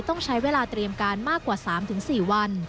ต้องใช้เวลาเตรียมการมากกว่า๓๔วัน